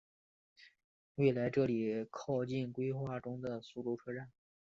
未来这里靠近规划中的苏州东站。